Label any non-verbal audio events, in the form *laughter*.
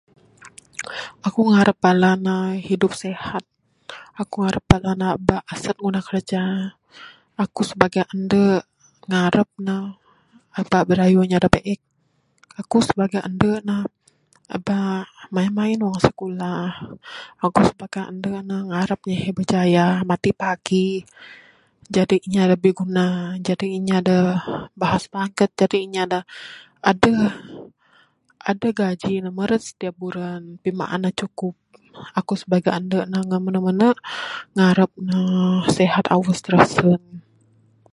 Aku ngarap bala hidup sihat aku ngarap bala ne aba asat ngundah kerja. Aku sibagai ande ngarap ne ba birayo inya da biek. Aku sebagai ande ne aba main main wang skulah. Aku sebagai ande ne ngarap ne berjaya, matik pagi Jadi inya da biguna jadi inya da bahas *unintelligible* adeh gaji ne meret setiap buran, maan da cukup. Aku sibagai ande ne ngan ne mene mene ngarap ne sihat always trasen.